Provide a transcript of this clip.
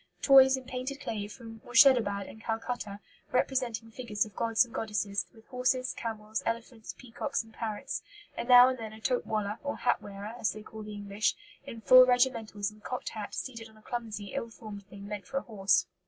Toys in painted clay from Morshedabad and Calcutta, representing figures of gods and goddesses, with horses, camels, elephants, peacocks, and parrots, and now and then a 'tope walla,' or hat wearer, as they call the English, in full regimentals and cocked hat, seated on a clumsy, ill formed thing meant for a horse.